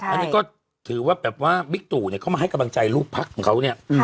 อันนี้ก็ถือว่าแบบว่าบิ๊กตู่เข้ามาให้กำลังใจลูกพักของเขาเนี่ย